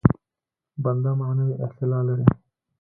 بنده معنوي اعتلا لري.